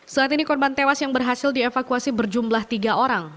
saat ini korban tewas yang berhasil dievakuasi berjumlah tiga orang